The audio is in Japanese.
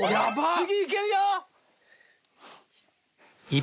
次いけるよ。